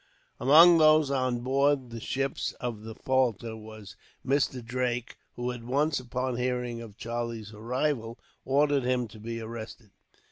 Among those on board the ships at Falta was Mr. Drake, who at once, upon hearing of Charlie's arrival, ordered him to be arrested.